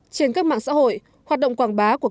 trên các mạng xã hội hoạt động quảng bá của